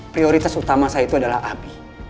prioritas utama saya itu adalah abi